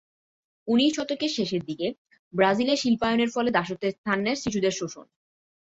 উনিশ শতকের শেষের দিকে, ব্রাজিলে শিল্পায়নের ফলে দাসত্বের স্থান নেয় শিশুদের শোষণ।